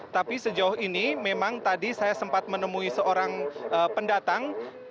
tapi sejauh ini memang tadi saya sempat menemui seorang pendatang